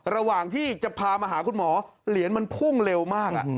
ระหว่างที่จะพามาหาคุณหมอเหรียญมันพุ่งเร็วมาก